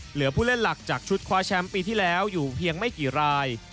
เหลือผู้เล่นหลักจากชุดคว้าแชมป์ปีที่แล้วอยู่เพียงไม่กี่ราย